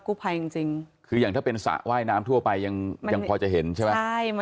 คืออย่างมองอย่างถ้าเป็นสะว่ายน้ำทั่วไปยังพอจะเห็นใช่ไหม